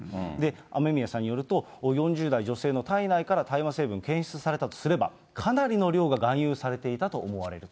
雨宮さんによると、４０代女性の体内から大麻成分検出されたとすれば、かなりの量が含有されていたと思われると。